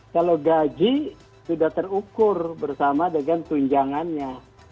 kalau gaji sudah terukur bersama dengan tunjangannya